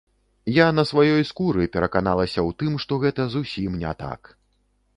Я на сваёй скуры пераканалася ў тым, што гэта зусім не так.